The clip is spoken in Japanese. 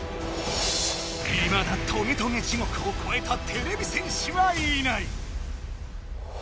いまだトゲトゲ地獄をこえたてれび戦士はいない。